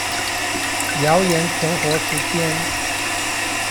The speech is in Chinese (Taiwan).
謠言存活時間